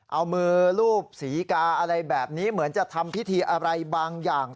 เอามือรูปศรีกาอะไรแบบนี้เหมือนจะทำพิธีอะไรบางอย่าง